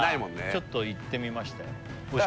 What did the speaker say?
ちょっと行ってみましたよ